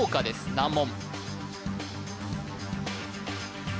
難問